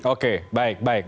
oke baik baik